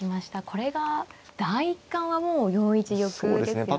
これが第一感はもう４一玉ですよね。